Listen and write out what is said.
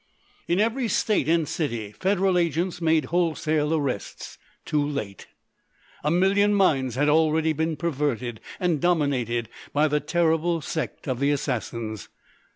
In every state and city Federal agents made wholesale arrests—too late! A million minds had already been perverted and dominated by the terrible Sect of the Assassins.